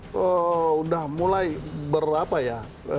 sudah mulai berapa ya